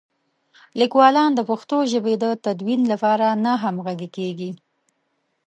لیکوالان د پښتو ژبې د تدوین لپاره نه همغږي کېږي.